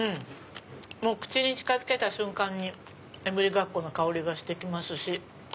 口に近づけた瞬間にいぶりがっこの香りがしますし。